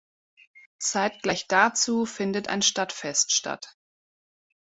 Zeitgleich dazu findet ein Stadtfest statt.